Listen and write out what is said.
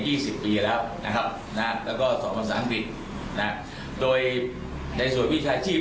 สิบปีแล้วนะครับนะแล้วก็สอบภาษาอังกฤษนะโดยในส่วนวิชาชีพ